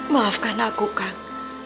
maafkan aku kang